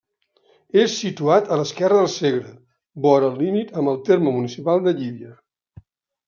És situat a l'esquerra del Segre, vora el límit amb el terme municipal de Llívia.